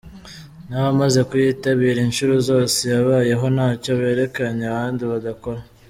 N’abamaze kuyitabire inshuro zose yabayeho ntacyo berekanye abandi badakora”.